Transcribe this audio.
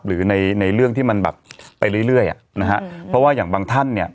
หรือในในเรื่องที่มันแบบไปเรื่อยเรื่อยอ่ะนะฮะเพราะว่าอย่างบางท่านเนี่ย